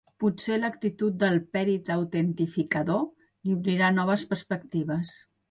Potser l'actitud del perit autentificador li obrirà noves perspectives.